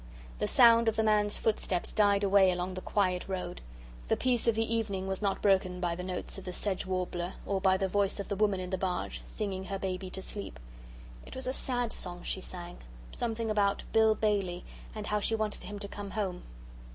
The sound of the man's footsteps died away along the quiet road. The peace of the evening was not broken by the notes of the sedge warblers or by the voice of the woman in the barge, singing her baby to sleep. It was a sad song she sang. Something about Bill Bailey and how she wanted him to come home.